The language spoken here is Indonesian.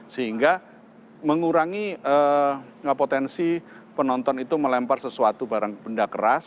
sehingga mengurangi potensi penonton itu melempar sesuatu barang benda keras